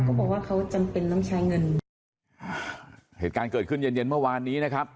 เขาบอกว่าเขาจำเป็นต้องใช้เงินเหตุการณ์เกิดขึ้นเย็นเย็นเมื่อวานนี้นะครับ